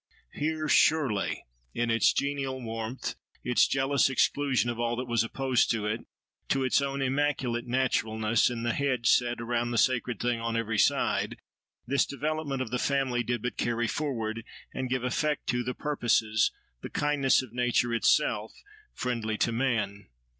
Here, surely! in its genial warmth, its jealous exclusion of all that was opposed to it, to its own immaculate naturalness, in the hedge set around the sacred thing on every side, this development of the family did but carry forward, and give effect to, the purposes, the kindness, of nature itself, friendly to man.